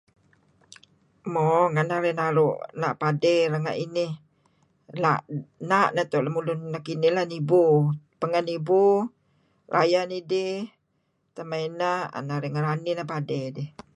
Mo nga' narih naru' padey renga' inih la' na' neto' dulun nekinih la' nibu. Pengeh nibu rayeh nidih pengeh ineh 'an narih ngeranih neh padey dih.